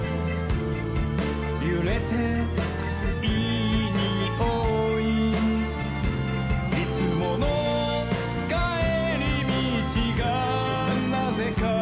「ゆれていいにおい」「いつものかえりみちがなぜか」